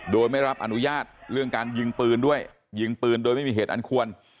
โดยไม่รับอนุญาตเรื่องการยิงปืนด้วยยิงปืนโดยไม่มีเหตุอันควร